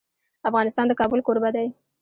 افغانستان د کابل کوربه دی.